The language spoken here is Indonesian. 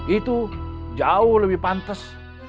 itu jauh lebih pantas